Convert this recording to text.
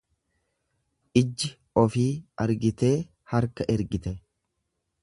Ijji ofii argitee harka ergite.